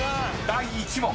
［第１問］